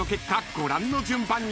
ご覧の順番に］